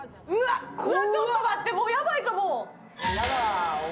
ちょっと待って、もうヤバいかも。